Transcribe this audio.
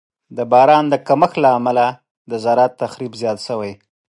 د باران د کمښت له امله د زراعت تخریب زیات شوی.